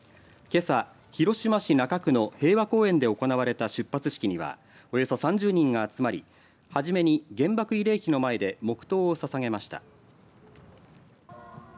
けさ広島市中区の平和公園で行われた出発式にはおよそ３０人が集まり初めに原爆慰霊碑の前で黙とうをささげました。